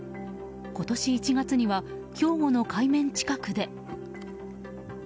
今年１月には兵庫の海面近くで。